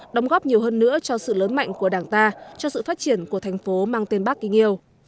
đóng góp nhiều hơn nữa cho sự lớn mạnh của đảng ta cho sự phát triển của thành phố mang tên bác kính yêu